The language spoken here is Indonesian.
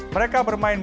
mereka juga berpengalaman